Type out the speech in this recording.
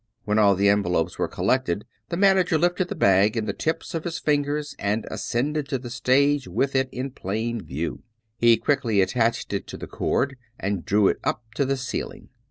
When all the envelopes were collected, the man ager lifted the bag in the tips of his fingers and ascended to the stage with it in plain view. He quickly attached it to the cord and drew it up to the ceiling.